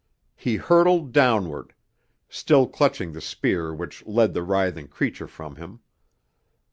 He hurtled downward, still clutching the spear which led the writhing creature from him.